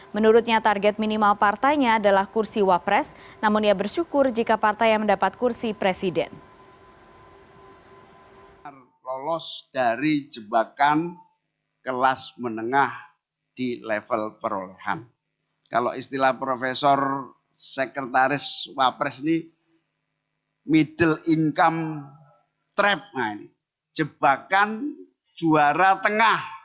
menurutnya target minimal partainya adalah kursi wakil presiden namun ia bersyukur jika partai yang mendapat kursi presiden